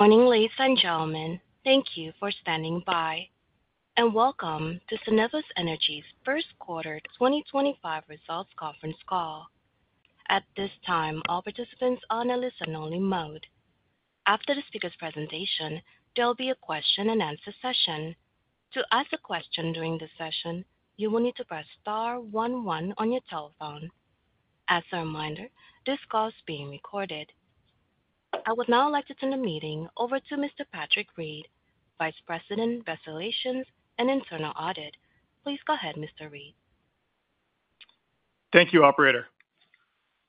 Morning, ladies and gentlemen. Thank you for standing by, and welcome to Cenovus Energy's first quarter 2025 results conference call. At this time, all participants are on a listen-only mode. After the speaker's presentation, there will be a question-and-answer session. To ask a question during this session, you will need to press star one one on your telephone. As a reminder, this call is being recorded. I would now like to turn the meeting over to Mr. Patrick Read, Vice President, Investor Relations and Internal Audit. Please go ahead, Mr. Reid. Thank you, operator.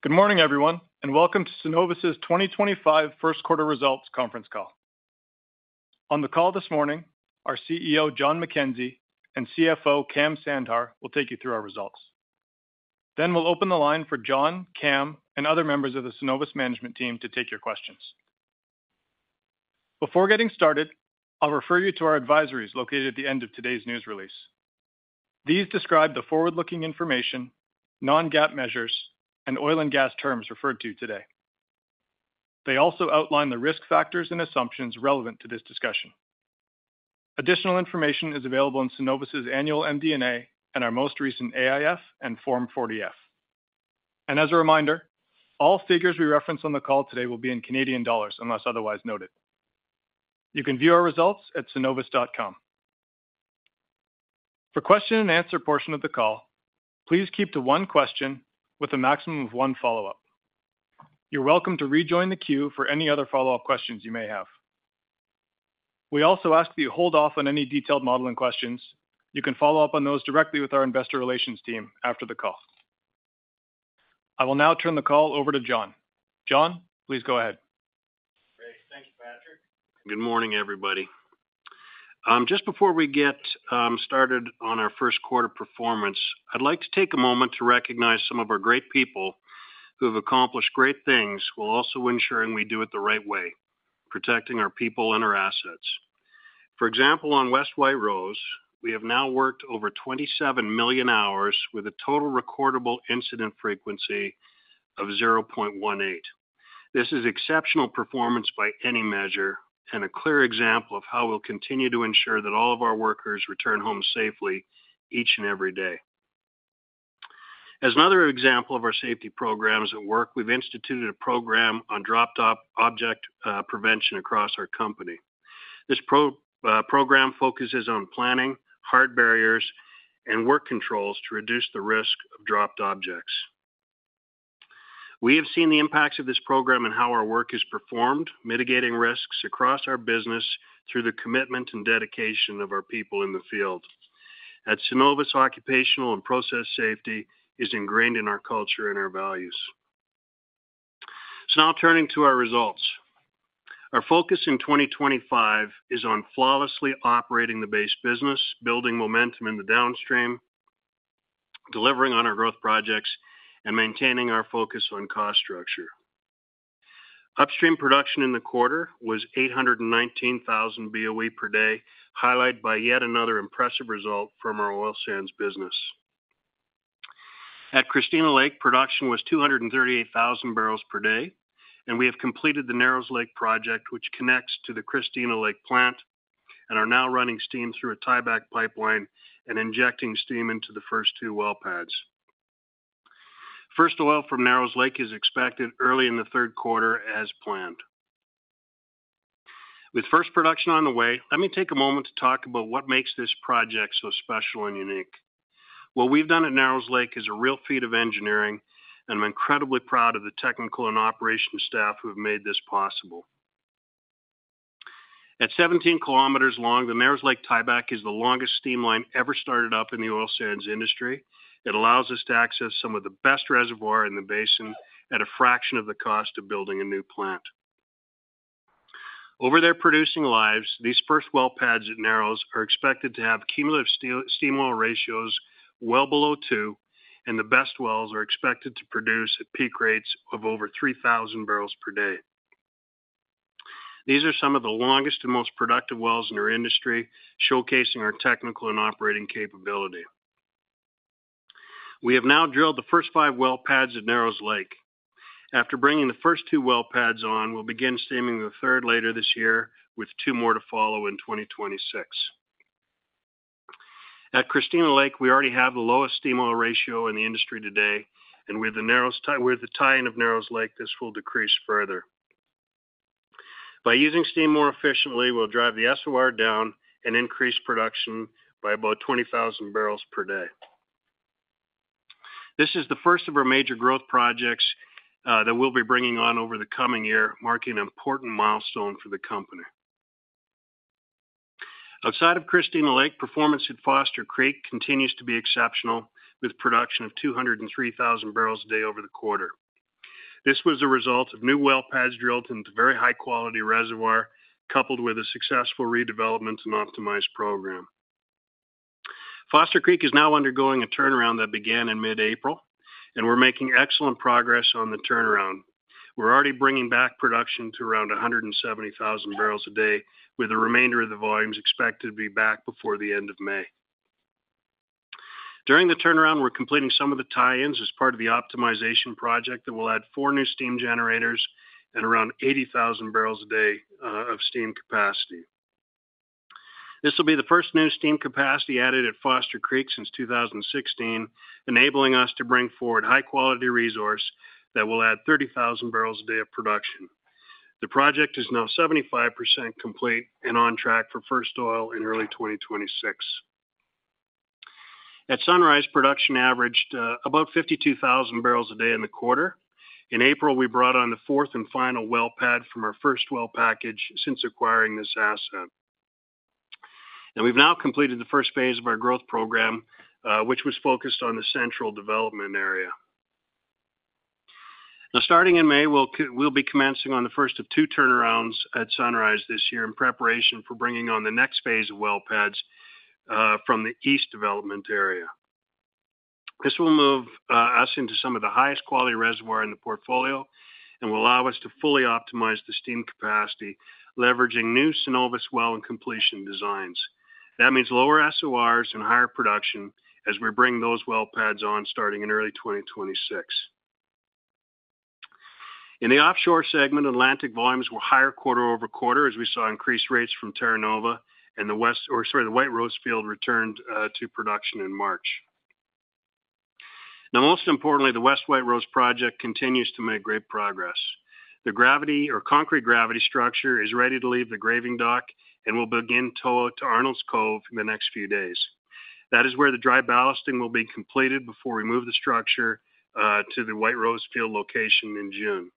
Good morning, everyone, and welcome to Cenovus's 2025 first quarter results conference call. On the call this morning, our CEO, Jon McKenzie, and CFO, Kam Sandhar, will take you through our results. Then we'll open the line for Jon, Kam, and other members of the Cenovus management team to take your questions. Before getting started, I'll refer you to our advisories located at the end of today's news release. These describe the forward-looking information, non-GAAP measures, and oil and gas terms referred to today. They also outline the risk factors and assumptions relevant to this discussion. Additional information is available in Cenovus's annual MD&A and our most recent AIF and Form 40-F, and as a reminder, all figures we reference on the call today will be in Canadian dollars unless otherwise noted. You can view our results at cenovus.com. For the question-and-answer portion of the call, please keep to one question with a maximum of one follow-up. You're welcome to rejoin the queue for any other follow-up questions you may have. We also ask that you hold off on any detailed modeling questions. You can follow up on those directly with our investor relations team after the call. I will now turn the call over to Jon. Jon, please go ahead. Good morning, everybody. Just before we get started on our first quarter performance, I'd like to take a moment to recognize some of our great people who have accomplished great things while also ensuring we do it the right way, protecting our people and our assets. For example, on West White Rose, we have now worked over 27 million hours with a total recordable incident frequency of 0.18. This is exceptional performance by any measure and a clear example of how we'll continue to ensure that all of our workers return home safely each and every day. As another example of our safety programs at work, we've instituted a program on dropped object prevention across our company. This program focuses on planning, hard barriers, and work controls to reduce the risk of dropped objects. We have seen the impacts of this program and how our work is performed, mitigating risks across our business through the commitment and dedication of our people in the field. At Cenovus, occupational and process safety is ingrained in our culture and our values. So now turning to our results. Our focus in 2025 is on flawlessly operating the base business, building momentum in the downstream, delivering on our growth projects, and maintaining our focus on cost structure. Upstream production in the quarter was 819,000 BOE per day, highlighted by yet another impressive result from our oil sands business. At Christina Lake, production was 238,000 bbls per day, and we have completed the Narrows Lake project, which connects to the Christina Lake plant and are now running steam through a tieback pipeline and injecting steam into the first two well pads. First oil from Narrows Lake is expected early in the third quarter as planned. With first production on the way, let me take a moment to talk about what makes this project so special and unique. What we've done at Narrows Lake is a real feat of engineering, and I'm incredibly proud of the technical and operations staff who have made this possible. At 17 km long, the Narrows Lake tieback is the longest steam line ever started up in the oil sands industry. It allows us to access some of the best reservoir in the basin at a fraction of the cost of building a new plant. Over their producing lives, these first well pads at Narrows are expected to have cumulative steam oil ratios well below two, and the best wells are expected to produce at peak rates of over 3,000 bbls per day. These are some of the longest and most productive wells in our industry, showcasing our technical and operating capability. We have now drilled the first five well pads at Narrows Lake. After bringing the first two well pads on, we'll begin steaming the third later this year, with two more to follow in 2026. At Christina Lake, we already have the lowest steam oil ratio in the industry today, and with the tying of Narrows Lake, this will decrease further. By using steam more efficiently, we'll drive the SOR down and increase production by about 20,000 bbls per day. This is the first of our major growth projects that we'll be bringing on over the coming year, marking an important milestone for the company. Outside of Christina Lake, performance at Foster Creek continues to be exceptional, with production of 203,000 bbls a day over the quarter. This was a result of new well pads drilled into very high-quality reservoir, coupled with a successful redevelopment and optimized program. Foster Creek is now undergoing a turnaround that began in mid-April, and we're making excellent progress on the turnaround. We're already bringing back production to around 170,000 bbls a day, with the remainder of the volumes expected to be back before the end of May. During the turnaround, we're completing some of the tie-ins as part of the optimization project that will add four new steam generators and around 80,000 bbls a day of steam capacity. This will be the first new steam capacity added at Foster Creek since 2016, enabling us to bring forward high-quality resource that will add 30,000 bbls a day of production. The project is now 75% complete and on track for first oil in early 2026. At Sunrise, production averaged about 52,000 bbls a day in the quarter. In April, we brought on the fourth and final well pad from our first well package since acquiring this asset. And we've now completed the first phase of our growth program, which was focused on the central development area. Now, starting in May, we'll be commencing on the first of two turnarounds at Sunrise this year in preparation for bringing on the next phase of well pads from the east development area. This will move us into some of the highest quality reservoir in the portfolio and will allow us to fully optimize the steam capacity, leveraging new Cenovus well and completion designs. That means lower SORs and higher production as we bring those well pads on starting in early 2026. In the offshore segment, Atlantic volumes were higher quarter over quarter as we saw increased rates from Terra Nova and the White Rose field returned to production in March. Now, most importantly, the West White Rose project continues to make great progress. The concrete gravity structure is ready to leave the graving dock and will begin tow to Arnold's Cove in the next few days. That is where the dry ballasting will be completed before we move the structure to the White Rose field location in June.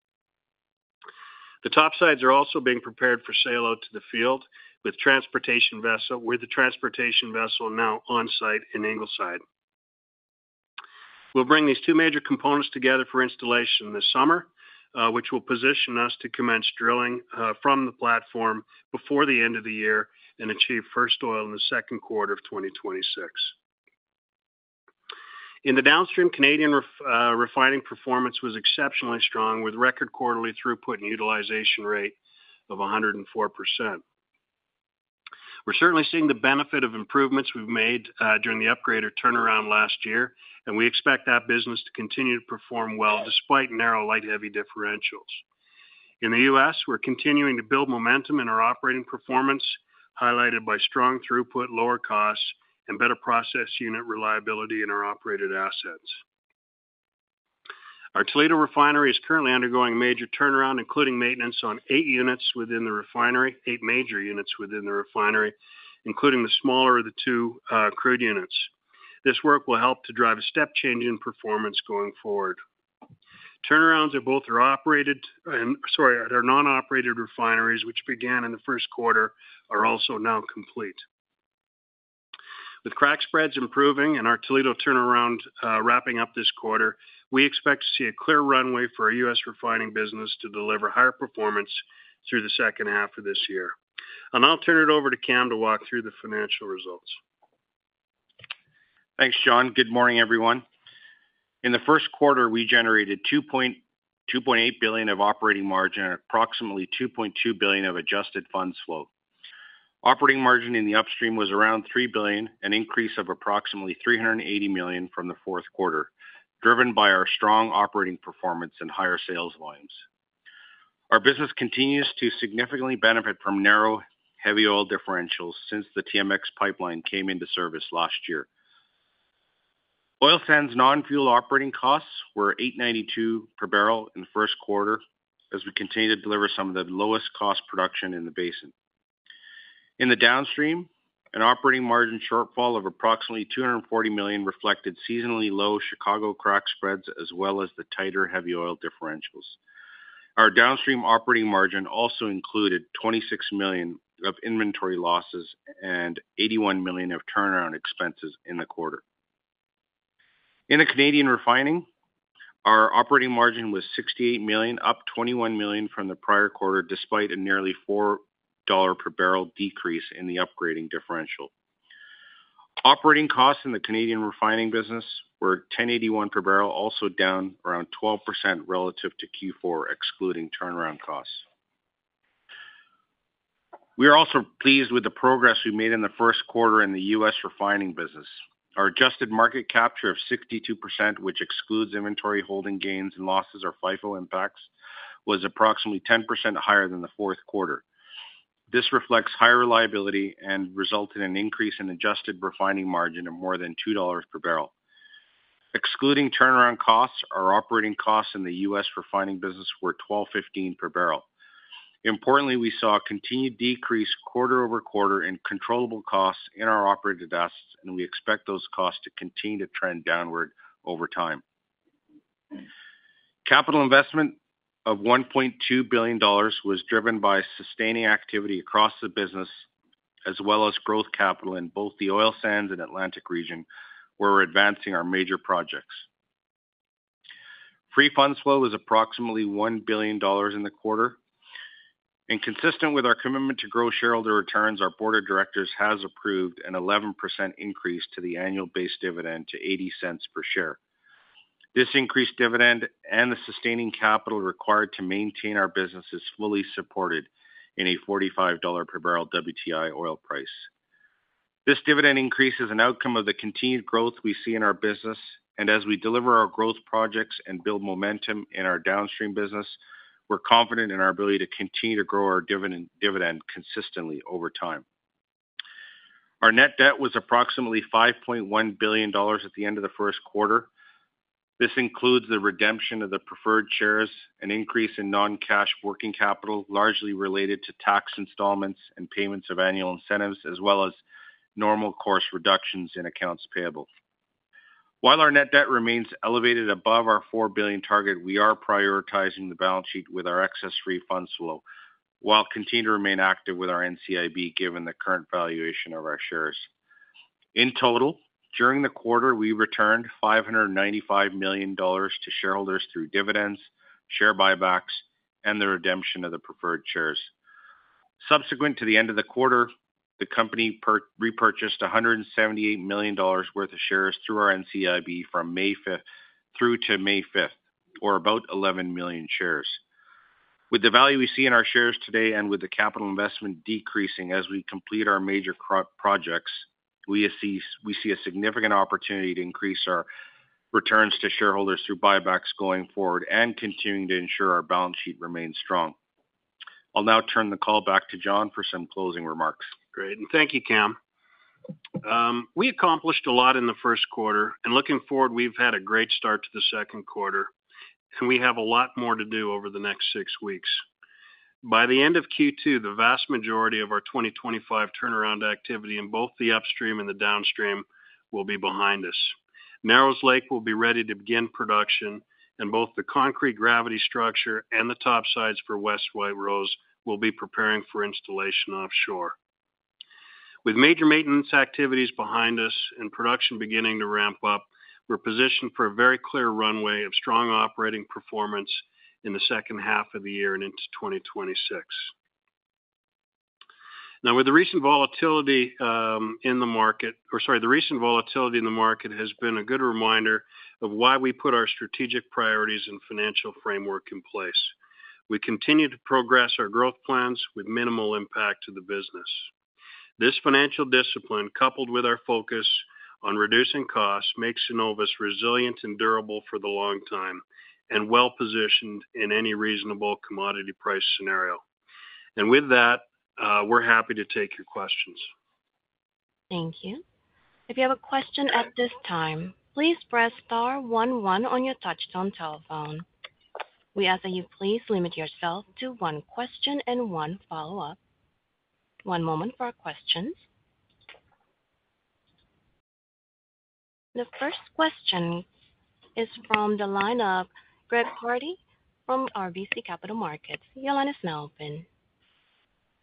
The topsides are also being prepared for sail out to the field with the transportation vessel now on site in Ingleside. We'll bring these two major components together for installation this summer, which will position us to commence drilling from the platform before the end of the year and achieve first oil in the second quarter of 2026. In the downstream, Canadian refining performance was exceptionally strong with record quarterly throughput and utilization rate of 104%. We're certainly seeing the benefit of improvements we've made during the upgrade or turnaround last year, and we expect that business to continue to perform well despite narrow light-heavy differentials. In the U.S., we're continuing to build momentum in our operating performance, highlighted by strong throughput, lower costs, and better process unit reliability in our operated assets. Our Toledo Refinery is currently undergoing major turnaround, including maintenance on eight major units within the refinery, including the smaller of the two crude units. This work will help to drive a step change in performance going forward. Turnarounds at both our non-operated refineries, which began in the first quarter, are also now complete. With crack spreads improving and our Toledo turnaround wrapping up this quarter, we expect to see a clear runway for our U.S. refining business to deliver higher performance through the second half of this year, and I'll turn it over to Kam to walk through the financial results. Thanks, Jon. Good morning, everyone. In the first quarter, we generated 2.8 billion of operating margin and approximately 2.2 billion of adjusted funds flow. Operating margin in the upstream was around three billion, an increase of approximately 380 million from the fourth quarter, driven by our strong operating performance and higher sales volumes. Our business continues to significantly benefit from narrow heavy oil differentials since the TMX Pipeline came into service last year. Oil sands non-fuel operating costs were 8.92 per barrel in the first quarter as we continue to deliver some of the lowest cost production in the basin. In the downstream, an operating margin shortfall of approximately 240 million reflected seasonally low Chicago crack spreads as well as the tighter heavy oil differentials. Our downstream operating margin also included 26 million of inventory losses and 81 million of turnaround expenses in the quarter. In the Canadian refining, our operating margin was 68 million, up 21 million from the prior quarter despite a nearly $4 per barrel decrease in the upgrading differential. Operating costs in the Canadian refining business were 1,081 per barrel, also down around 12% relative to Q4, excluding turnaround costs. We are also pleased with the progress we made in the first quarter in the U.S. refining business. Our adjusted market capture of 62%, which excludes inventory holding gains and losses or FIFO impacts, was approximately 10% higher than the fourth quarter. This reflects higher reliability and resulted in an increase in adjusted refining margin of more than $2 per barrel. Excluding turnaround costs, our operating costs in the U.S. refining business were 1,215 dollars per barrel. Importantly, we saw a continued decrease quarter-over-quarter in controllable costs in our operated assets, and we expect those costs to continue to trend downward over time. Capital investment of 1.2 billion dollars was driven by sustaining activity across the business as well as growth capital in both the oil sands and Atlantic region, where we're advancing our major projects. Free funds flow was approximately 1 billion dollars in the quarter. And consistent with our commitment to grow shareholder returns, our board of directors has approved an 11% increase to the annual base dividend to 0.80 per share. This increased dividend and the sustaining capital required to maintain our business is fully supported in a $45 per barrel WTI oil price. This dividend increase is an outcome of the continued growth we see in our business, and as we deliver our growth projects and build momentum in our downstream business, we're confident in our ability to continue to grow our dividend consistently over time. Our net debt was approximately 5.1 billion dollars at the end of the first quarter. This includes the redemption of the preferred shares, an increase in non-cash working capital largely related to tax installments and payments of annual incentives, as well as normal course reductions in accounts payable. While our net debt remains elevated above our 4 billion target, we are prioritizing the balance sheet with our excess free funds flow while continuing to remain active with our NCIB given the current valuation of our shares. In total, during the quarter, we returned 595 million dollars to shareholders through dividends, share buybacks, and the redemption of the preferred shares. Subsequent to the end of the quarter, the company repurchased 178 million dollars worth of shares through our NCIB from May 5th through to May 5th, or about 11 million shares. With the value we see in our shares today and with the capital investment decreasing as we complete our major projects, we see a significant opportunity to increase our returns to shareholders through buybacks going forward and continuing to ensure our balance sheet remains strong. I'll now turn the call back to Jon for some closing remarks. Great. Thank you, Kam. We accomplished a lot in the first quarter, and looking forward, we've had a great start to the second quarter, and we have a lot more to do over the next six weeks. By the end of Q2, the vast majority of our 2025 turnaround activity in both the upstream and the downstream will be behind us. Narrows Lake will be ready to begin production, and both the concrete gravity structure and the topsides for West White Rose will be preparing for installation offshore. With major maintenance activities behind us and production beginning to ramp up, we're positioned for a very clear runway of strong operating performance in the second half of the year and into 2026. Now, the recent volatility in the market has been a good reminder of why we put our strategic priorities and financial framework in place. We continue to progress our growth plans with minimal impact to the business. This financial discipline, coupled with our focus on reducing costs, makes Cenovus resilient and durable for the long term and well-positioned in any reasonable commodity price scenario, and with that, we're happy to take your questions. Thank you. If you have a question at this time, please press star one one on your touch-tone telephone. We ask that you please limit yourself to one question and one follow-up. One moment for our questions. The first question is from the line of Greg Pardy from RBC Capital Markets. Your line is now open.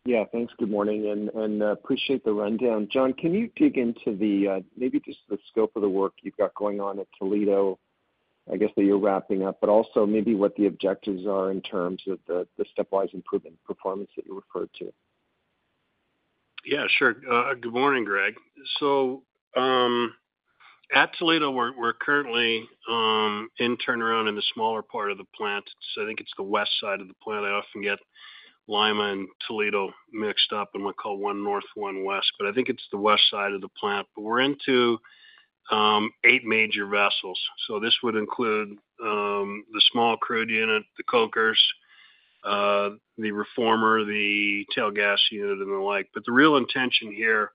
Yeah, thanks. Good morning, and appreciate the rundown. Jon, can you dig into maybe just the scope of the work you've got going on at Toledo, I guess that you're wrapping up, but also maybe what the objectives are in terms of the stepwise improvement performance that you referred to? Yeah, sure. Good morning, Greg. So at Toledo, we're currently in turnaround in the smaller part of the plant. So I think it's the west side of the plant. I often get Lima and Toledo mixed up in what I call one north, one west, but I think it's the west side of the plant. But we're into eight major vessels. So this would include the small crude unit, the cokers, the reformer, the tail gas unit, and the like. But the real intention here,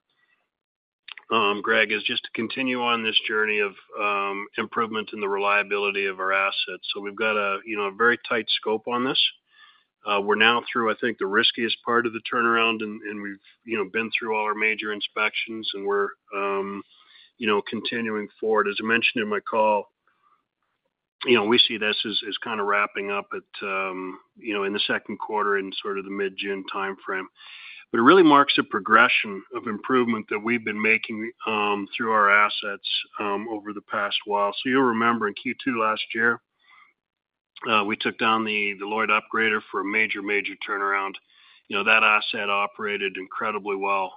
Greg, is just to continue on this journey of improvement in the reliability of our assets. So we've got a very tight scope on this. We're now through, I think, the riskiest part of the turnaround, and we've been through all our major inspections, and we're continuing forward. As I mentioned in my call, we see this as kind of wrapping up in the second quarter and sort of the mid-June timeframe. But it really marks a progression of improvement that we've been making through our assets over the past while. So you'll remember in Q2 last year, we took down the Lloyd upgrader for a major, major turnaround. That asset operated incredibly well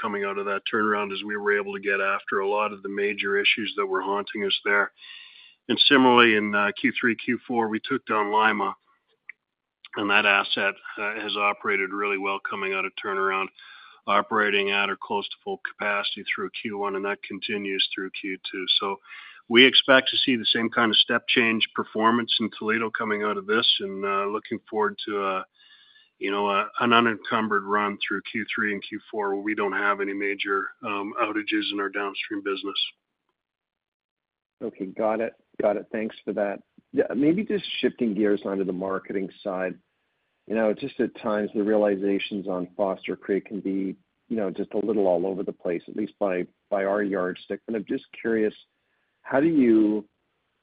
coming out of that turnaround as we were able to get after a lot of the major issues that were haunting us there. And similarly, in Q3, Q4, we took down Lima, and that asset has operated really well coming out of turnaround, operating at or close to full capacity through Q1, and that continues through Q2. So we expect to see the same kind of step change performance in Toledo coming out of this, and looking forward to an unencumbered run through Q3 and Q4 where we don't have any major outages in our downstream business. Okay. Got it. Got it. Thanks for that. Maybe just shifting gears onto the marketing side. Just at times, the realizations on Foster Creek can be just a little all over the place, at least by our yardstick. And I'm just curious, how do you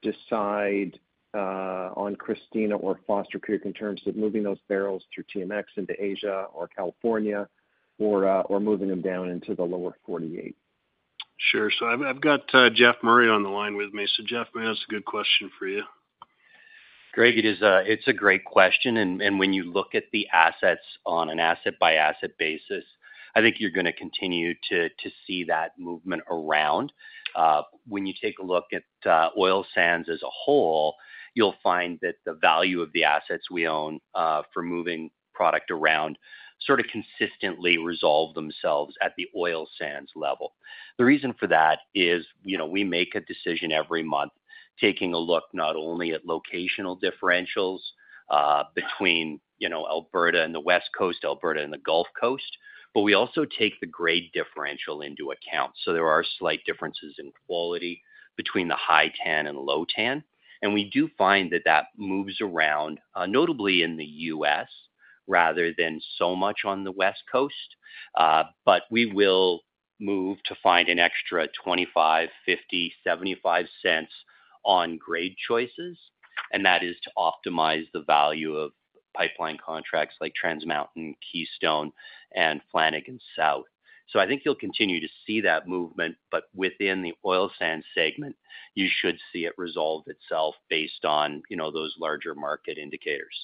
decide on Christina or Foster Creek in terms of moving those barrels through TMX into Asia or California or moving them down into the lower 48? Sure. So I've got Geoff Murray on the line with me. So Geoff, may I ask a good question for you? Greg, it's a great question. And when you look at the assets on an asset-by-asset basis, I think you're going to continue to see that movement around. When you take a look at oil sands as a whole, you'll find that the value of the assets we own for moving product around sort of consistently resolve themselves at the oil sands level. The reason for that is we make a decision every month taking a look not only at locational differentials between Alberta and the West Coast, Alberta and the Gulf Coast, but we also take the grade differential into account. So there are slight differences in quality between the high TAN and low TAN. And we do find that that moves around, notably in the U.S., rather than so much on the West Coast. But we will move to find an extra $0.25, $0.50, $0.75 on grade choices, and that is to optimize the value of pipeline contracts like Trans Mountain, Keystone, and Flanagan South. So I think you'll continue to see that movement, but within the oil sands segment, you should see it resolve itself based on those larger market indicators.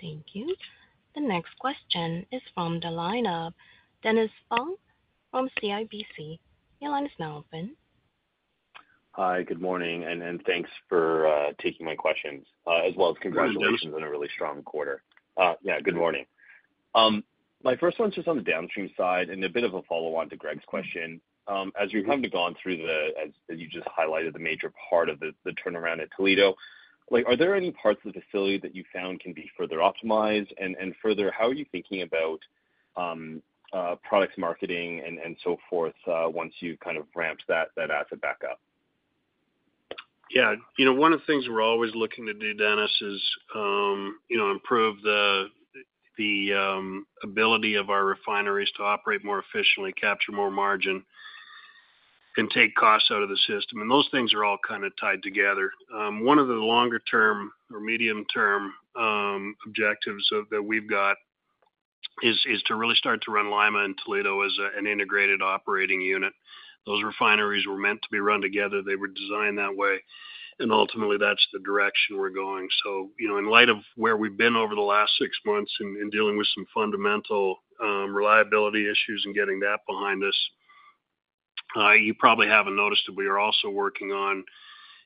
Thank you. The next question is from the line of Dennis Fong from CIBC. Your line is now open. Hi, good morning, and thanks for taking my questions, as well as congratulations on a really strong quarter. Yeah, good morning. My first one's just on the downstream side and a bit of a follow-on to Greg's question. As you've kind of gone through the, as you just highlighted, the major part of the turnaround at Toledo, are there any parts of the facility that you found can be further optimized? And further, how are you thinking about products marketing and so forth once you've kind of ramped that asset back up? Yeah. One of the things we're always looking to do, Dennis, is improve the ability of our refineries to operate more efficiently, capture more margin, and take costs out of the system, and those things are all kind of tied together. One of the longer-term or medium-term objectives that we've got is to really start to run Lima and Toledo as an integrated operating unit. Those refineries were meant to be run together. They were designed that way, and ultimately, that's the direction we're going, so in light of where we've been over the last six months in dealing with some fundamental reliability issues and getting that behind us, you probably haven't noticed, but we are also working on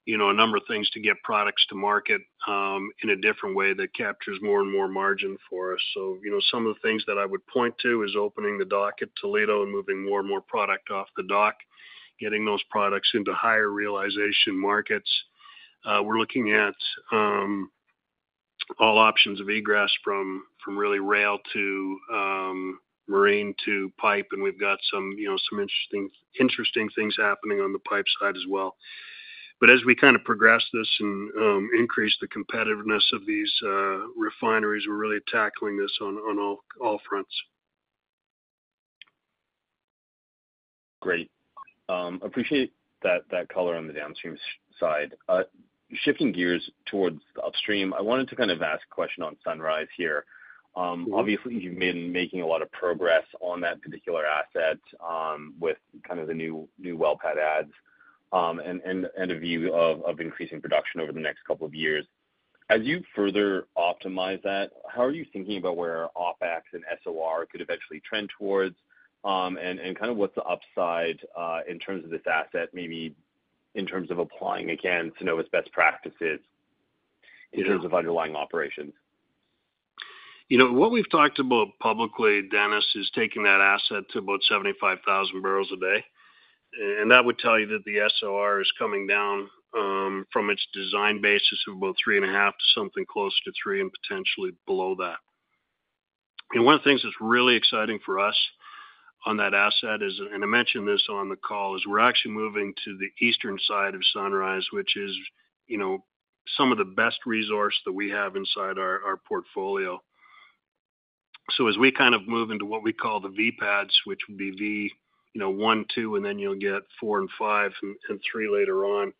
a number of things to get products to market in a different way that captures more and more margin for us. So some of the things that I would point to is opening the dock at Toledo and moving more and more product off the dock, getting those products into higher realization markets. We're looking at all options of egress from really rail to marine to pipe, and we've got some interesting things happening on the pipe side as well. But as we kind of progress this and increase the competitiveness of these refineries, we're really tackling this on all fronts. Great. Appreciate that color on the downstream side. Shifting gears towards the upstream, I wanted to kind of ask a question on Sunrise here. Obviously, you've been making a lot of progress on that particular asset with kind of the new well pad adds and a view of increasing production over the next couple of years. As you further optimize that, how are you thinking about where OpEx and SOR could eventually trend towards and kind of what's the upside in terms of this asset, maybe in terms of applying again Cenovus best practices in terms of underlying operations? What we've talked about publicly, Dennis, is taking that asset to about 75,000 bbls a day, and that would tell you that the SOR is coming down from its design basis of about 3.5 to something close to three and potentially below that. And one of the things that's really exciting for us on that asset is, and I mentioned this on the call, is we're actually moving to the eastern side of Sunrise, which is some of the best resource that we have inside our portfolio. So as we kind of move into what we call the V pads, which would be V1, V2, and then you'll get V4 and V5 and V3 later on,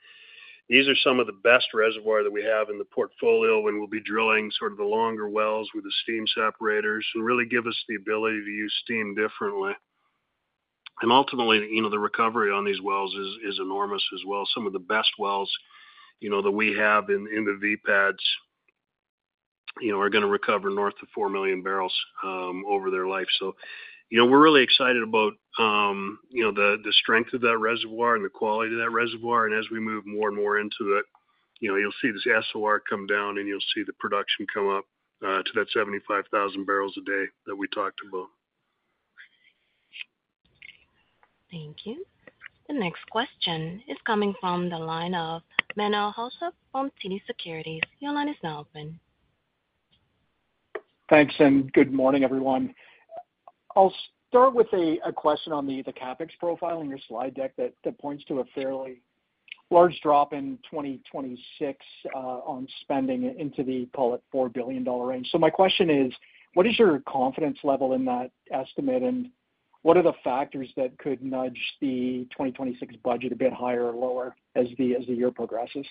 these are some of the best reservoir that we have in the portfolio when we'll be drilling sort of the longer wells with the steam separators and really give us the ability to use steam differently. And ultimately, the recovery on these wells is enormous as well. Some of the best wells that we have in the V pads are going to recover north of four million barrels over their life. So we're really excited about the strength of that reservoir and the quality of that reservoir. And as we move more and more into it, you'll see this SOR come down, and you'll see the production come up to that 75,000 bbls a day that we talked about. Thank you. The next question is coming from the line of Menno Hulshof from TD Securities. Your line is now open. Thanks, and good morning, everyone. I'll start with a question on the CapEx profile in your slide deck that points to a fairly large drop in 2026 on spending into the, call it, $4 billion range. So my question is, what is your confidence level in that estimate, and what are the factors that could nudge the 2026 budget a bit higher or lower as the year progresses?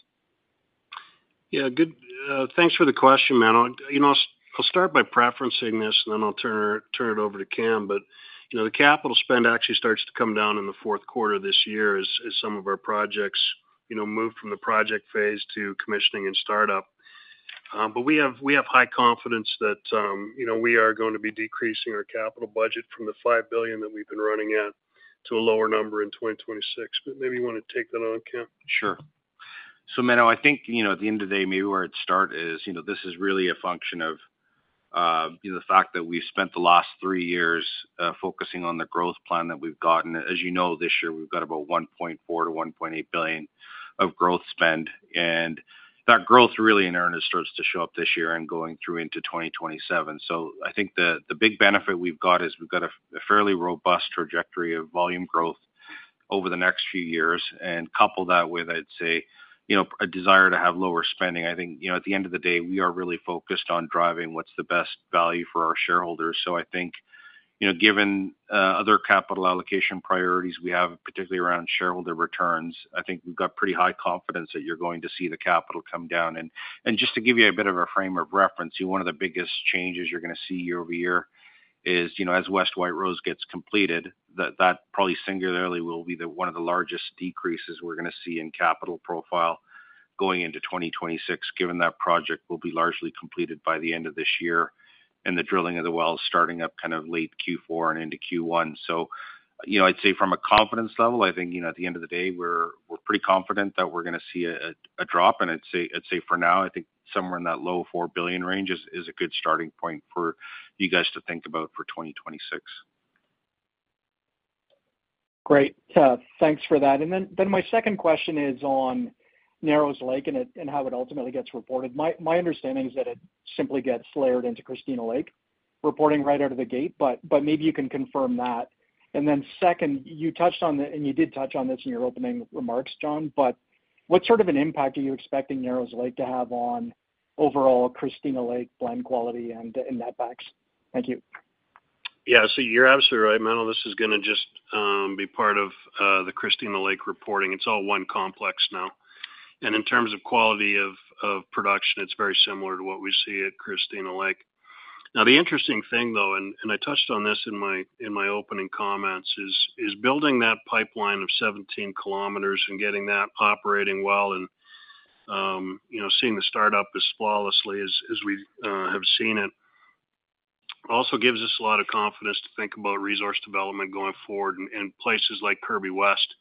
Yeah. Thanks for the question, Menno. I'll start by preferencing this, and then I'll turn it over to Kam. But the capital spend actually starts to come down in the fourth quarter of this year as some of our projects move from the project phase to commissioning and startup. But we have high confidence that we are going to be decreasing our capital budget from the 5 billion that we've been running at to a lower number in 2026. But maybe you want to take that on, Kam. Sure. So Menno, I think at the end of the day, maybe where it starts is this is really a function of the fact that we've spent the last three years focusing on the growth plan that we've gotten. As you know, this year, we've got about 1.4 billion-1.8 billion of growth spend. And that growth really in earnest starts to show up this year and going through into 2027. So I think the big benefit we've got is we've got a fairly robust trajectory of volume growth over the next few years. And couple that with, I'd say, a desire to have lower spending. I think at the end of the day, we are really focused on driving what's the best value for our shareholders. So I think given other capital allocation priorities we have, particularly around shareholder returns, I think we've got pretty high confidence that you're going to see the capital come down. And just to give you a bit of a frame of reference, one of the biggest changes you're going to see year over year is as West White Rose gets completed, that probably singularly will be one of the largest decreases we're going to see in capital profile going into 2026, given that project will be largely completed by the end of this year and the drilling of the wells starting up kind of late Q4 and into Q1. So I'd say from a confidence level, I think at the end of the day, we're pretty confident that we're going to see a drop. I'd say for now, I think somewhere in that low 4 billion range is a good starting point for you guys to think about for 2026. Great. Thanks for that. And then my second question is on Narrows Lake and how it ultimately gets reported. My understanding is that it simply gets layered into Christina Lake reporting right out of the gate, but maybe you can confirm that. And then second, you touched on it, and you did touch on this in your opening remarks, Jon, but what sort of an impact are you expecting Narrows Lake to have on overall Christina Lake blend quality and netbacks? Thank you. Yeah. So you're absolutely right, Menno. This is going to just be part of the Christina Lake reporting. It's all one complex now, and in terms of quality of production, it's very similar to what we see at Christina Lake. Now, the interesting thing, though, and I touched on this in my opening comments, is building that pipeline of 17 km and getting that operating well and seeing the startup as flawlessly as we have seen it also gives us a lot of confidence to think about resource development going forward in places like Kirby West,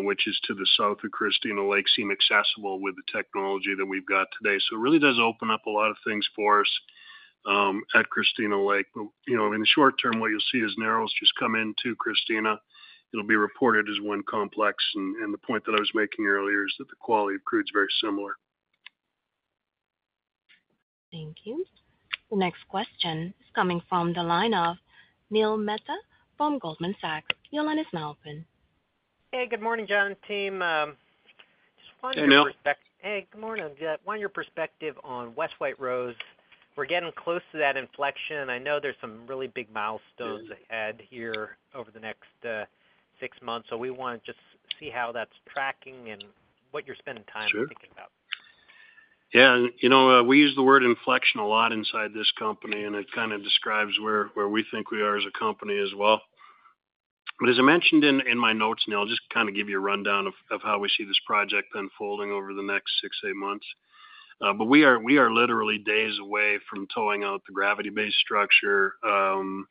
which is to the south of Christina Lake, seem accessible with the technology that we've got today, so it really does open up a lot of things for us at Christina Lake, but in the short term, what you'll see is Narrows just come into Christina. It'll be reported as one complex. The point that I was making earlier is that the quality of crude is very similar. Thank you. The next question is coming from the line of Neil Mehta from Goldman Sachs. Your line is now open. Hey, good morning, Jon, team. Just want your perspective. Hey, Neil. Hey, good morning. Yeah. Want your perspective on West White Rose. We're getting close to that inflection. I know there's some really big milestones ahead here over the next six months. So we want to just see how that's tracking and what you're spending time thinking about. Sure. Yeah. We use the word inflection a lot inside this company, and it kind of describes where we think we are as a company as well. But as I mentioned in my notes, Neil, I'll just kind of give you a rundown of how we see this project unfolding over the next six, eight months. But we are literally days away from towing out the gravity-based structure from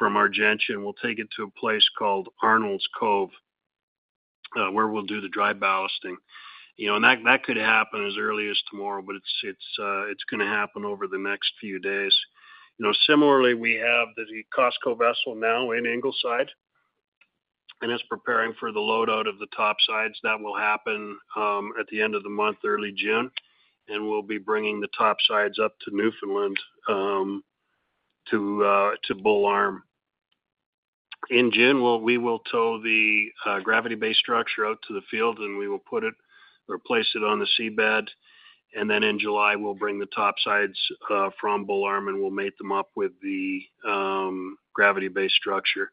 Argentia. We'll take it to a place called Arnold's Cove where we'll do the dry ballasting. And that could happen as early as tomorrow, but it's going to happen over the next few days. Similarly, we have the COSCO vessel now in Ingleside, and it's preparing for the load out of the topsides. That will happen at the end of the month, early June, and we'll be bringing the topsides up to Newfoundland to Bull Arm. In June, we will tow the gravity-based structure out to the field, and we will put it or place it on the seabed, and then in July, we'll bring the topsides from Bull Arm, and we'll mate them up with the gravity-based structure.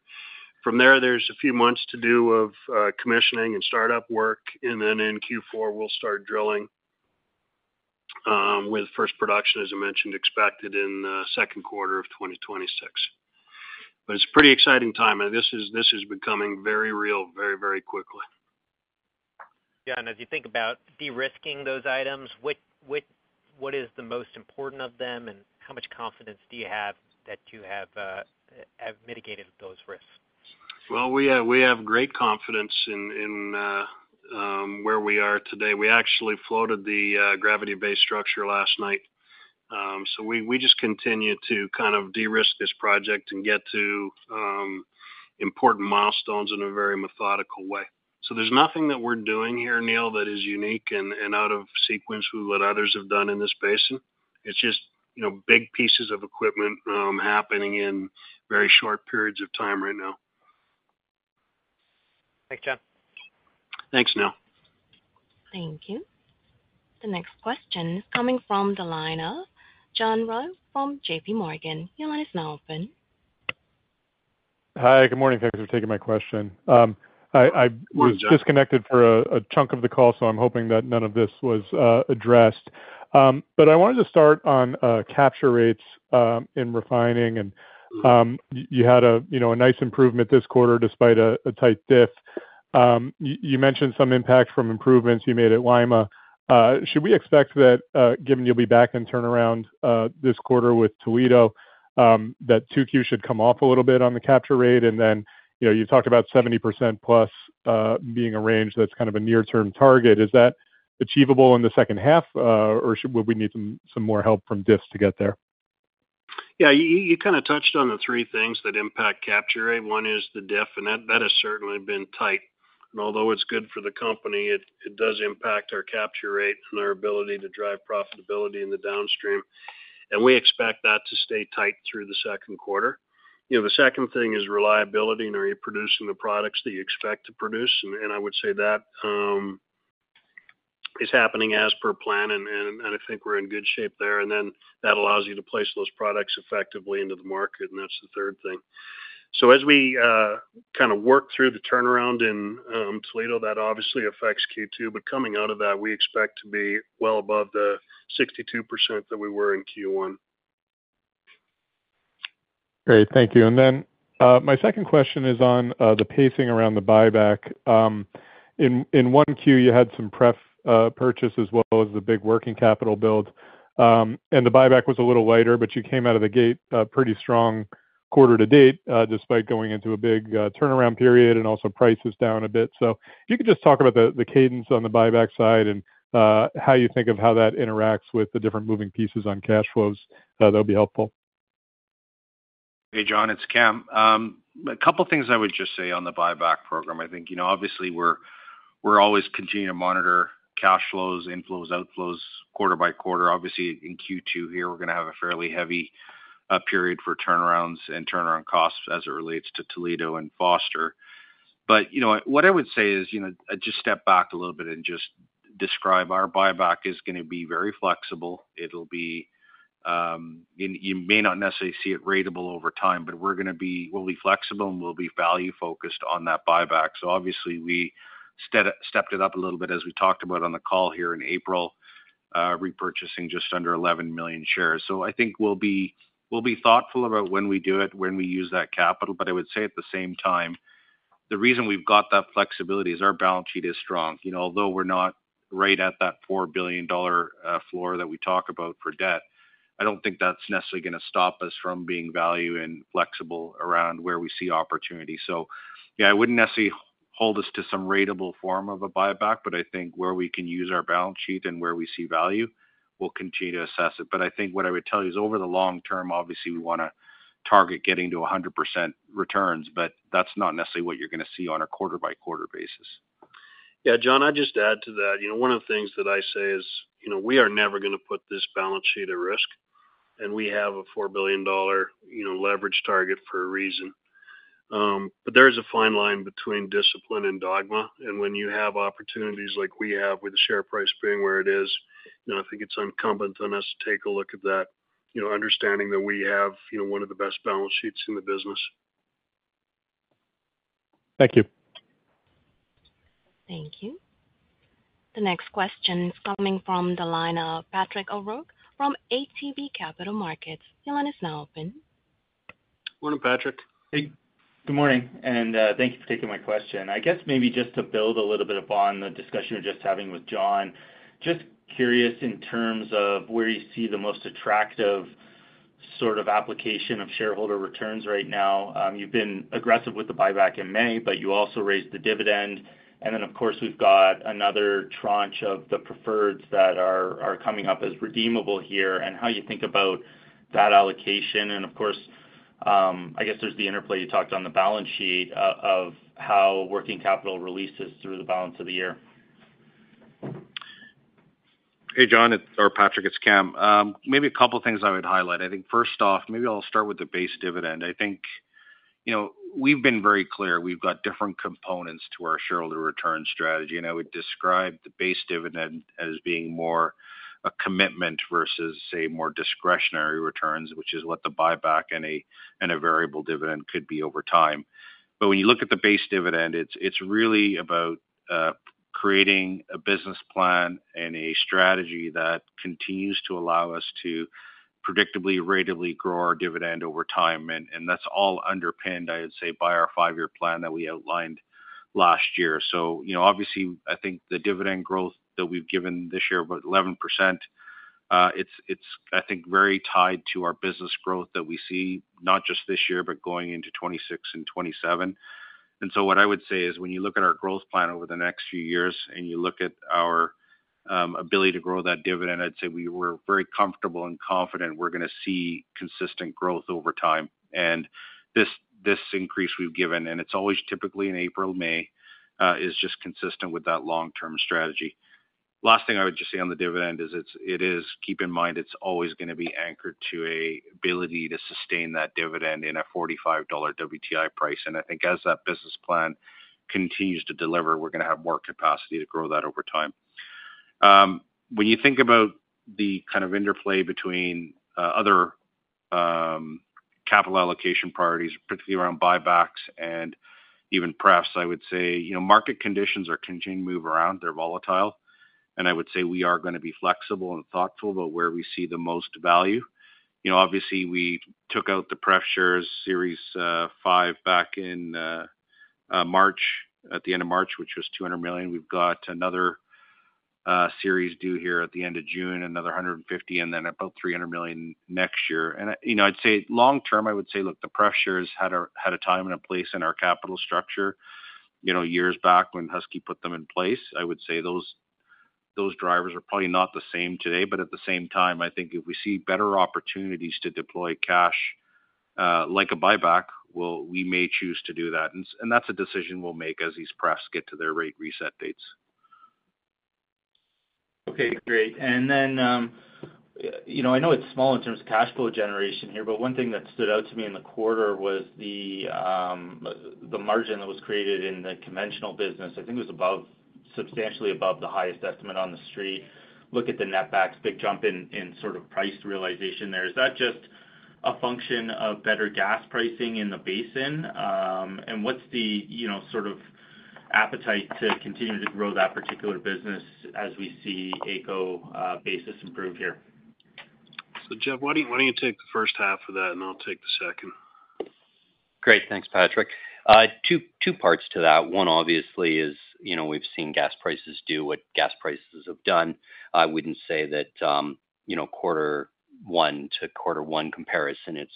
From there, there's a few months to do of commissioning and startup work, and then in Q4, we'll start drilling with first production, as I mentioned, expected in the second quarter of 2026, but it's a pretty exciting time, and this is becoming very real, very, very quickly. Yeah. And as you think about de-risking those items, what is the most important of them, and how much confidence do you have that you have mitigated those risks? We have great confidence in where we are today. We actually floated the gravity-based structure last night. We just continue to kind of de-risk this project and get to important milestones in a very methodical way. There's nothing that we're doing here, Neil, that is unique and out of sequence with what others have done in this space. It's just big pieces of equipment happening in very short periods of time right now. Thanks, Jon. Thanks, Neil. Thank you. The next question is coming from the line of John Royall from JPMorgan. Your line is now open. Hi. Good morning. Thanks for taking my question. I was disconnected for a chunk of the call, so I'm hoping that none of this was addressed, but I wanted to start on capture rates in refining, and you had a nice improvement this quarter despite a tight diff. You mentioned some impact from improvements you made at Lima. Should we expect that, given you'll be back in turnaround this quarter with Toledo, that 2Q should come off a little bit on the capture rate, and then you talked about 70%+ being a range that's kind of a near-term target. Is that achievable in the second half, or would we need some more help from diffs to get there? Yeah. You kind of touched on the three things that impact capture rate. One is the diff, and that has certainly been tight. And although it's good for the company, it does impact our capture rate and our ability to drive profitability in the downstream. And we expect that to stay tight through the second quarter. The second thing is reliability, and are you producing the products that you expect to produce? And I would say that is happening as per plan, and I think we're in good shape there. And then that allows you to place those products effectively into the market, and that's the third thing. So as we kind of work through the turnaround in Toledo, that obviously affects Q2. But coming out of that, we expect to be well above the 62% that we were in Q1. Great. Thank you, and then my second question is on the pacing around the buyback. In 1Q, you had some pref purchase as well as the big working capital build. And the buyback was a little lighter, but you came out of the gate pretty strong quarter to date despite going into a big turnaround period and also prices down a bit, so if you could just talk about the cadence on the buyback side and how you think of how that interacts with the different moving pieces on cash flows, that would be helpful. Hey, John, it's Kam. A couple of things I would just say on the buyback program. I think obviously we're always continuing to monitor cash flows, inflows, outflows quarter by quarter. Obviously, in Q2 here, we're going to have a fairly heavy period for turnarounds and turnaround costs as it relates to Toledo and Foster, but what I would say is I just step back a little bit and just describe our buyback is going to be very flexible. It'll be, you may not necessarily see it ratable over time, but we're going to be, we'll be flexible, and we'll be value-focused on that buyback, so obviously, we stepped it up a little bit as we talked about on the call here in April, repurchasing just under 11 million shares. So I think we'll be thoughtful about when we do it, when we use that capital. But I would say at the same time, the reason we've got that flexibility is our balance sheet is strong. Although we're not right at that $4 billion floor that we talk about for debt, I don't think that's necessarily going to stop us from being value and flexible around where we see opportunity. So yeah, I wouldn't necessarily hold us to some ratable form of a buyback, but I think where we can use our balance sheet and where we see value, we'll continue to assess it. But I think what I would tell you is over the long term, obviously, we want to target getting to 100% returns, but that's not necessarily what you're going to see on a quarter-by-quarter basis. Yeah, John, I'd just add to that. One of the things that I say is we are never going to put this balance sheet at risk, and we have a $4 billion leverage target for a reason. But there is a fine line between discipline and dogma. And when you have opportunities like we have with the share price being where it is, I think it's incumbent for us to take a look at that, understanding that we have one of the best balance sheets in the business. Thank you. Thank you. The next question is coming from the line of Patrick O'Rourke from ATB Capital Markets. Your line is now open. Morning, Patrick. Hey. Good morning. And thank you for taking my question. I guess maybe just to build a little bit upon the discussion we're just having with Jon, just curious in terms of where you see the most attractive sort of application of shareholder returns right now. You've been aggressive with the buyback in May, but you also raised the dividend. And then, of course, we've got another tranche of the preferreds that are coming up as redeemable here and how you think about that allocation. And of course, I guess there's the interplay you talked on the balance sheet of how working capital releases through the balance of the year. Hey, Jon, or Patrick, it's Kam. Maybe a couple of things I would highlight. I think first off, maybe I'll start with the base dividend. I think we've been very clear. We've got different components to our shareholder return strategy, and I would describe the base dividend as being more a commitment versus, say, more discretionary returns, which is what the buyback and a variable dividend could be over time, but when you look at the base dividend, it's really about creating a business plan and a strategy that continues to allow us to predictably or orderly grow our dividend over time, and that's all underpinned, I would say, by our five-year plan that we outlined last year. Obviously, I think the dividend growth that we've given this year of 11%, it's, I think, very tied to our business growth that we see not just this year, but going into 2026 and 2027. And so what I would say is when you look at our growth plan over the next few years and you look at our ability to grow that dividend, I'd say we were very comfortable and confident we're going to see consistent growth over time. And this increase we've given, and it's always typically in April, May, is just consistent with that long-term strategy. Last thing I would just say on the dividend is it is, keep in mind, it's always going to be anchored to an ability to sustain that dividend in a $45 WTI price. I think as that business plan continues to deliver, we're going to have more capacity to grow that over time. When you think about the kind of interplay between other capital allocation priorities, particularly around buybacks and even prefs, I would say market conditions are continuing to move around. They're volatile. I would say we are going to be flexible and thoughtful about where we see the most value. Obviously, we took out the pref shares Series 5 back in March, at the end of March, which was 200 million. We've got another series due here at the end of June, another 150 million, and then about 300 million next year. I'd say long term, I would say, look, the pref shares had a time and a place in our capital structure years back when Husky put them in place. I would say those drivers are probably not the same today. But at the same time, I think if we see better opportunities to deploy cash like a buyback, we may choose to do that. And that's a decision we'll make as these prefs get to their rate reset dates. Okay. Great. And then I know it's small in terms of cash flow generation here, but one thing that stood out to me in the quarter was the margin that was created in the conventional business. I think it was substantially above the highest estimate on the street. Look at the netback, big jump in sort of price realization there. Is that just a function of better gas pricing in the basin? And what's the sort of appetite to continue to grow that particular business as we see AECO basis improve here? So Geoff, why don't you take the first half of that, and I'll take the second. Great. Thanks, Patrick. Two parts to that. One, obviously, is we've seen gas prices do what gas prices have done. I wouldn't say that quarter one to quarter one comparison, it's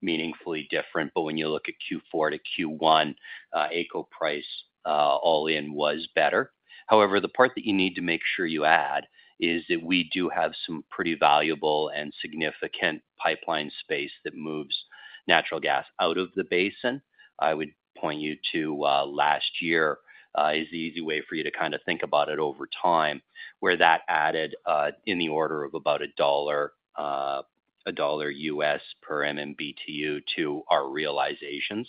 meaningfully different, but when you look at Q4 to Q1, AECO price all in was better. However, the part that you need to make sure you add is that we do have some pretty valuable and significant pipeline space that moves natural gas out of the basin. I would point you to last year as the easy way for you to kind of think about it over time, where that added in the order of about $1, $1 per MMBtu to our realizations.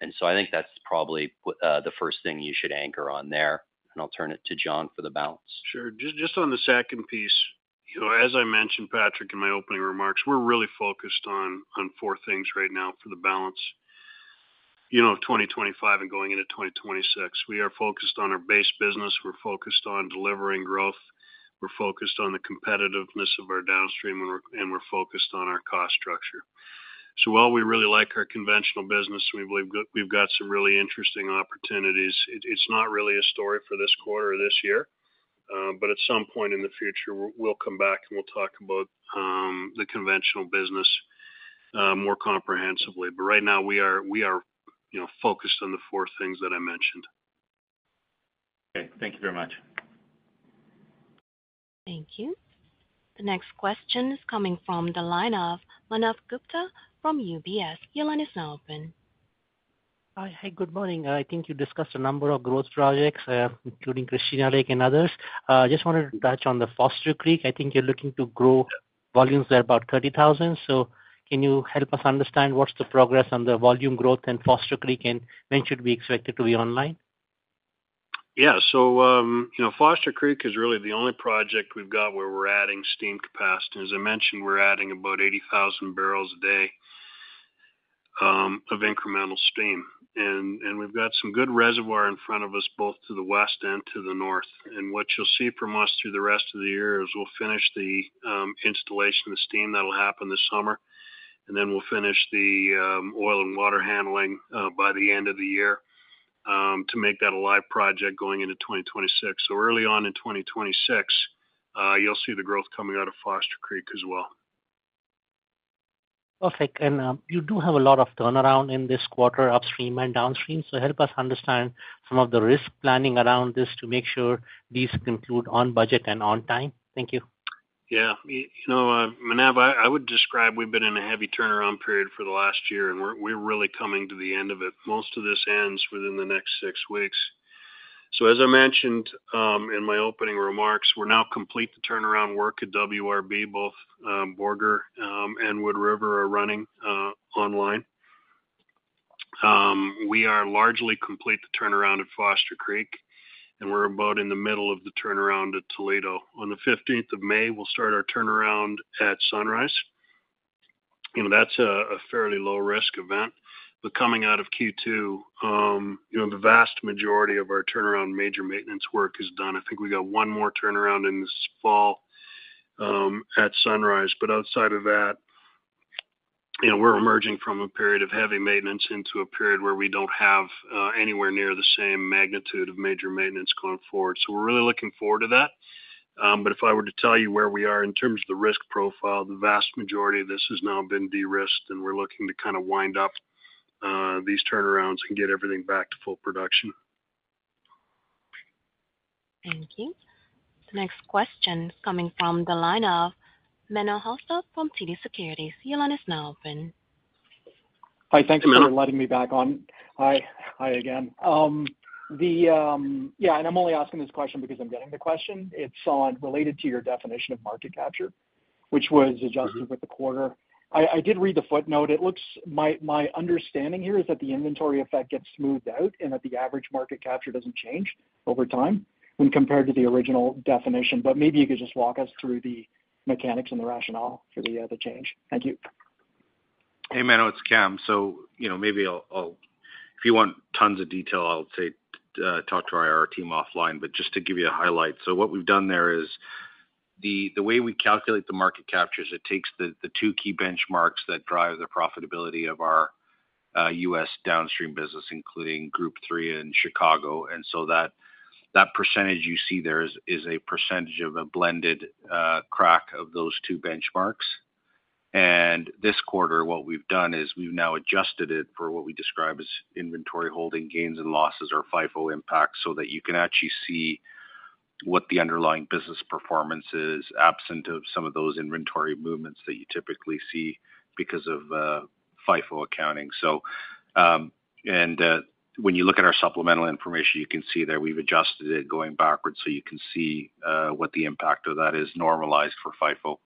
And so I think that's probably the first thing you should anchor on there, and I'll turn it to Jon for the balance. Sure. Just on the second piece, as I mentioned, Patrick, in my opening remarks, we're really focused on four things right now for the balance of 2025 and going into 2026. We are focused on our base business. We're focused on delivering growth. We're focused on the competitiveness of our downstream, and we're focused on our cost structure, so while we really like our conventional business, we believe we've got some really interesting opportunities. It's not really a story for this quarter or this year, but at some point in the future, we'll come back and we'll talk about the conventional business more comprehensively, but right now, we are focused on the four things that I mentioned. Okay. Thank you very much. Thank you. The next question is coming from the line of Manav Gupta from UBS. Your line is now open. Hi, good morning. I think you discussed a number of growth projects, including Christina Lake and others. I just wanted to touch on the Foster Creek. I think you're looking to grow volumes there about 30,000. So can you help us understand what's the progress on the volume growth in Foster Creek, and when should we expect it to be online? Yeah. So Foster Creek is really the only project we've got where we're adding steam capacity. As I mentioned, we're adding about 80,000 bbls a day of incremental steam. And we've got some good reservoir in front of us, both to the west and to the north. And what you'll see from us through the rest of the year is we'll finish the installation of the steam that'll happen this summer. And then we'll finish the oil and water handling by the end of the year to make that a live project going into 2026. So early on in 2026, you'll see the growth coming out of Foster Creek as well. Perfect. And you do have a lot of turnaround in this quarter, upstream and downstream. So help us understand some of the risk planning around this to make sure these conclude on budget and on time. Thank you. Yeah. Manav, I would describe we've been in a heavy turnaround period for the last year, and we're really coming to the end of it. Most of this ends within the next six weeks. So as I mentioned in my opening remarks, we're now complete to turnaround work at WRB. Both Borger and Wood River are running online. We are largely complete to turnaround at Foster Creek, and we're about in the middle of the turnaround at Toledo. On the 15th of May, we'll start our turnaround at Sunrise. That's a fairly low-risk event. But coming out of Q2, the vast majority of our turnaround major maintenance work is done. I think we got one more turnaround in this fall at Sunrise. But outside of that, we're emerging from a period of heavy maintenance into a period where we don't have anywhere near the same magnitude of major maintenance going forward. So we're really looking forward to that. But if I were to tell you where we are in terms of the risk profile, the vast majority of this has now been de-risked, and we're looking to kind of wind up these turnarounds and get everything back to full production. Thank you. The next question is coming from the line of Menno Hulshof from TD Securities. Your line is now open. Hi. Thanks for letting me back on. Hi, again. Yeah. And I'm only asking this question because I'm getting the question. It's related to your definition of market capture, which was adjusted with the quarter. I did read the footnote. My understanding here is that the inventory effect gets smoothed out and that the average market capture doesn't change over time when compared to the original definition. But maybe you could just walk us through the mechanics and the rationale for the change. Thank you. Hey, Menno. It's Kam. So maybe if you want tons of detail, I'll say talk to our team offline. But just to give you a highlight, so what we've done there is the way we calculate the market captures, it takes the two key benchmarks that drive the profitability of our U.S. downstream business, including Group 3 in Chicago. And so that percentage you see there is a percentage of a blended crack of those two benchmarks. And this quarter, what we've done is we've now adjusted it for what we describe as inventory holding gains and losses, our FIFO impact, so that you can actually see what the underlying business performance is, absent of some of those inventory movements that you typically see because of FIFO accounting. And when you look at our supplemental information, you can see there we've adjusted it going backwards so you can see what the impact of that is normalized for FIFO.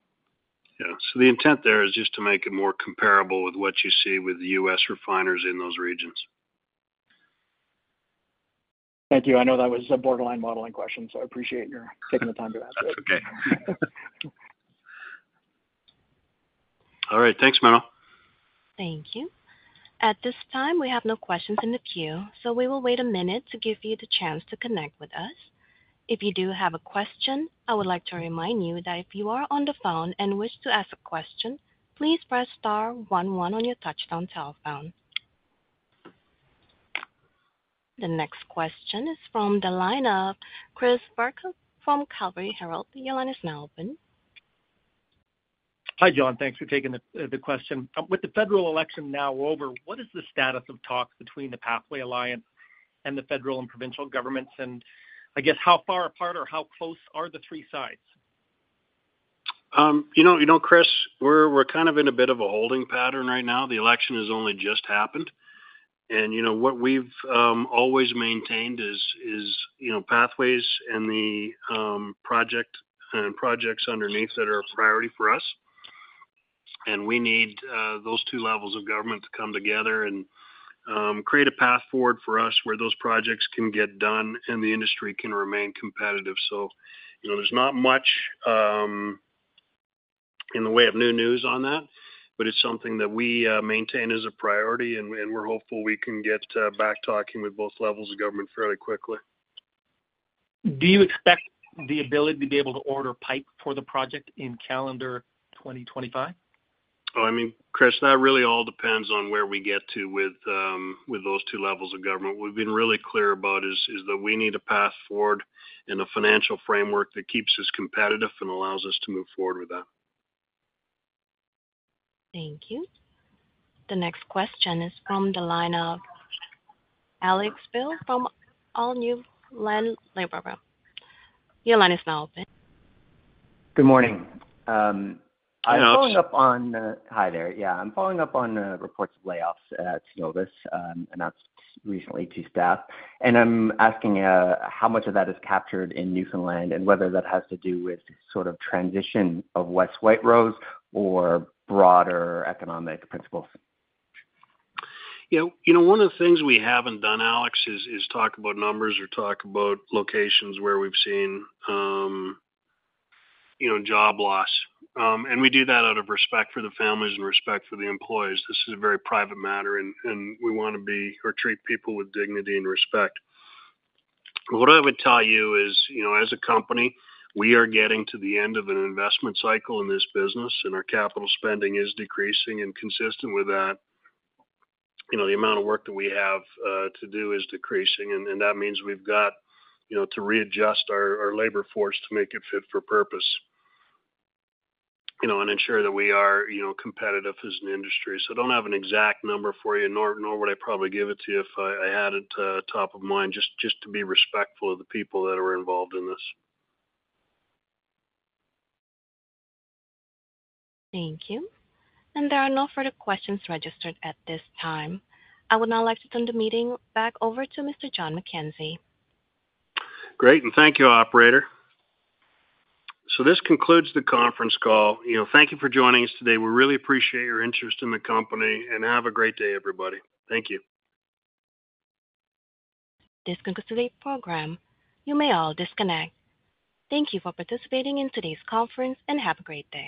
Yeah. So the intent there is just to make it more comparable with what you see with the U.S. refiners in those regions. Thank you. I know that was a borderline modeling question, so I appreciate your taking the time to answer it. All right. Thanks, Menno. Thank you. At this time, we have no questions in the queue, so we will wait a minute to give you the chance to connect with us. If you do have a question, I would like to remind you that if you are on the phone and wish to ask a question, please press star 11 on your touch-tone telephone. The next question is from the line of Chris Varcoe from Calgary Herald. Your line is now open. Hi, Jon. Thanks for taking the question. With the federal election now over, what is the status of talks between the Pathways Alliance and the federal and provincial governments? And I guess, how far apart or how close are the three sides? You know, Chris, we're kind of in a bit of a holding pattern right now. The election has only just happened. And what we've always maintained is Pathways and the projects underneath that are a priority for us. And we need those two levels of government to come together and create a path forward for us where those projects can get done and the industry can remain competitive. So there's not much in the way of new news on that, but it's something that we maintain as a priority, and we're hopeful we can get back talking with both levels of government fairly quickly. Do you expect the ability to be able to order pipe for the project in calendar 2025? Oh, I mean, Chris, that really all depends on where we get to with those two levels of government. What we've been really clear about is that we need a path forward and a financial framework that keeps us competitive and allows us to move forward with that. Thank you. The next question is from the line of Alex Bill from allNewfoundlandLabrador. Your line is now open. Good morning. Hi there. Yeah. I'm following up on reports of layoffs at Cenovus announced recently to staff. I'm asking how much of that is captured in Newfoundland and whether that has to do with sort of transition of West White Rose or broader economic principles. One of the things we haven't done, Alex, is talk about numbers or talk about locations where we've seen job loss, and we do that out of respect for the families and respect for the employees. This is a very private matter, and we want to treat people with dignity and respect. What I would tell you is, as a company, we are getting to the end of an investment cycle in this business, and our capital spending is decreasing and consistent with that. The amount of work that we have to do is decreasing, and that means we've got to readjust our labor force to make it fit for purpose and ensure that we are competitive as an industry. So I don't have an exact number for you, nor would I probably give it to you if I had it top of mind, just to be respectful of the people that are involved in this. Thank you. And there are no further questions registered at this time. I would now like to turn the meeting back over to Mr. Jon McKenzie. Great. And thank you, operator. So this concludes the conference call. Thank you for joining us today. We really appreciate your interest in the company. And have a great day, everybody. Thank you. This concludes today's program. You may all disconnect. Thank you for participating in today's conference and have a great day.